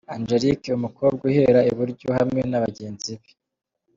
Angelique Umukobwa, uhera iburyo, hamwe na bagenzi be.